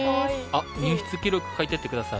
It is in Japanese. あっ入室記録書いてって下さい。